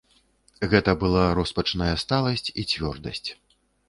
Гэта была роспачная сталасць і цвёрдасць.